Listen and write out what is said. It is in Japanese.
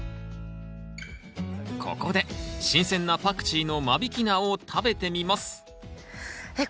ここで新鮮なパクチーの間引き菜を食べてみますえっ